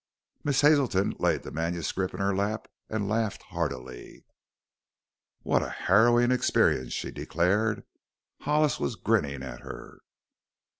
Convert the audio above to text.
Miss Hazelton laid the manuscript in her lap and laughed heartily. "What a harrowing experience!" she declared. Hollis was grinning at her.